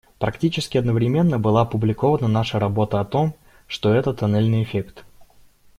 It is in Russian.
Практически одновременно была опубликована наша работа о том, что это тоннельный эффект.